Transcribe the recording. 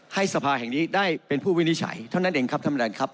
สภาแห่งนี้ได้เป็นผู้วินิจฉัยเท่านั้นเองครับท่านประธานครับ